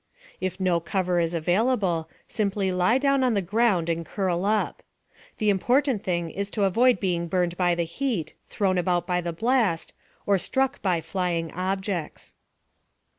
If no cover is available, simply lie down on the ground and curl up. The important thing is to avoid being burned by the heat, thrown about by the blast, or struck by flying objects.